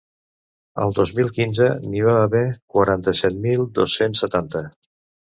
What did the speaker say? El dos mil quinze n’hi va haver quaranta-set mil dos-cents setanta.